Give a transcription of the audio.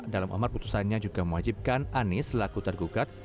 dalam amat putusannya juga mewajibkan anies laku tergugat